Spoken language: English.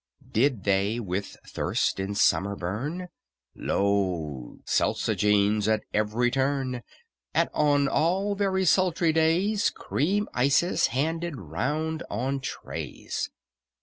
Did they with thirst in summer burn, Lo, seltzogenes at every turn, And on all very sultry days Cream ices handed round on trays.